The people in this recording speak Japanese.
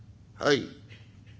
「はい。